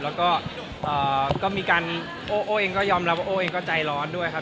แล้วก็มีการโอ้โอ้เองก็ยอมรับว่าโอ้เองก็ใจร้อนด้วยครับ